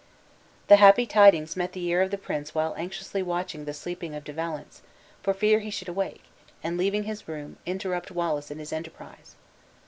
The happy tidings met the ear of the prince while anxiously watching the sleeping of De Valence, for fear he should awake and, leaving the room, interrupt Wallace in his enterprise.